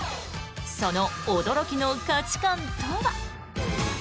その驚きの価値観とは。